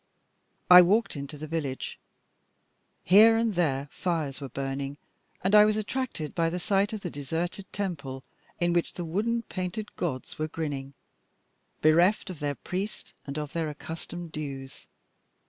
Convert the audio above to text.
I walked into the village; here and there fires were burning, and I was attracted by the sight of the deserted temple in which the wooden painted gods were grinning, bereft of their priest and of their accustomed dues.